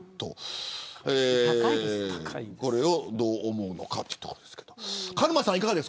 これをどう思うのかというところです。